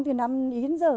từ năm đến giờ